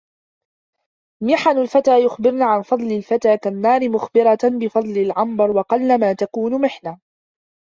مِحَنُ الْفَتَى يُخْبِرْنَ عَنْ فَضْلِ الْفَتَى كَالنَّارِ مُخْبِرَةٌ بِفَضْلِ الْعَنْبَرِ وَقَلَّمَا تَكُونُ مِحْنَةُ